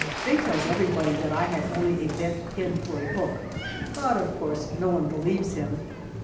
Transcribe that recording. Faye tells everybody that I had only a bent pin for a hook, but of course no one believes him.